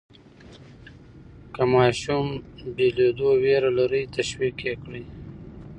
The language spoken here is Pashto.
که ماشوم بېلېدو وېره لري، تشویق یې کړئ.